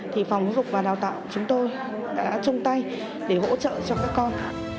thì phòng giáo dục và đào tạo chúng tôi đã chung tay để hỗ trợ cho các con